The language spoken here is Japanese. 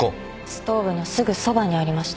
ストーブのすぐそばにありました。